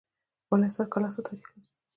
بالاحصار کلا څه تاریخ لري؟